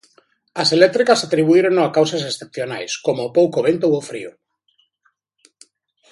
As eléctricas atribuírono a causas excepcionais, como o pouco vento ou o frío.